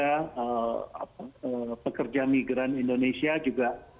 karena pekerja migran indonesia juga